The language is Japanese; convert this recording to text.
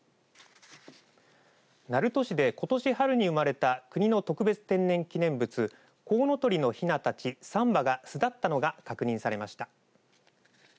鳴門市で、ことし春に生まれた国の特別天然記念物コウノトリのひなたち３羽が巣立ったのが確認されました。